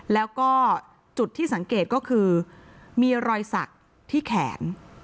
แล้วก็จุดที่สังเกตก็คือมีรอยสักที่แขน